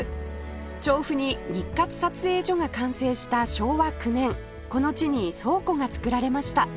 調布に日活撮影所が完成した昭和９年この地に倉庫が造られました